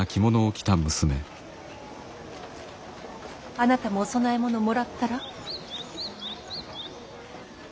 あなたもお供え物もらったら？